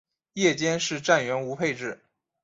夜间是站员无配置。